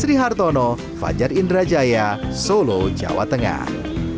sri hartono fajar indrajaya solo jawa tengah